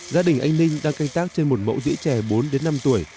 gia đình anh ninh đang canh tác trên một mẫu dĩ trè bốn năm tuổi